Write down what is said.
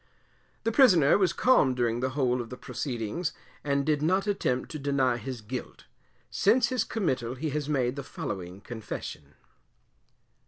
The Prisoner was calm during the whole of the proceedings, and did not attempt to deny his guilt. Since his committal he has made the following Confession.